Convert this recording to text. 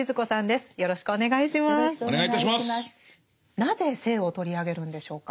なぜ「性」を取り上げるんでしょうか？